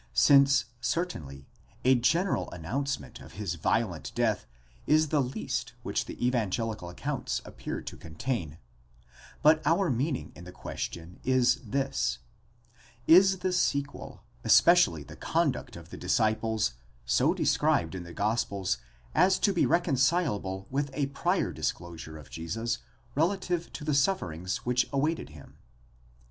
since, certainly, a general an nouncement of his violent death is the least which the evangelical accounts appear to contain, but our meaning in the question is this: is the sequel, especially the conduct of the disciples, so described in the gospels, as to be reconcilable with a prior disclosure of Jesus relative to the sufferings which awaited him?